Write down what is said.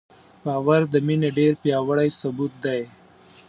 باور د مینې ډېر پیاوړی ثبوت دی.